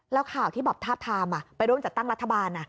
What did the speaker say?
แล้วข่าวที่แบบทาบทามไปร่วมจัดตั้งรัฐบาล